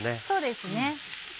そうですね。